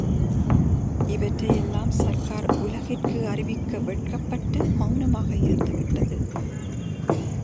இவற்றையெல்லாம் சர்க்கார் உலகிற்கு அறிவிக்க வெட்கப்பட்டு மெளனமாக இருந்துவிட்டது.